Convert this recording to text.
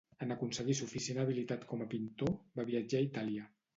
En aconseguir suficient habilitat com a pintor, va viatjar a Itàlia.